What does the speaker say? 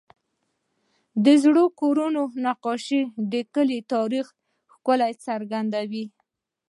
د زړو کورونو نقاشې د کلي تاریخي ښکلا څرګندوي.